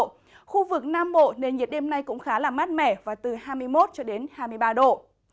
khu vực nam bộ nền nhiệt đêm nay cũng khá là mát mẻ và từ hai mươi một cho đến hai mươi ba độ